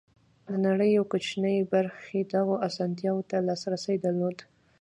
د نړۍ یوې کوچنۍ برخې دغو اسانتیاوو ته لاسرسی درلود.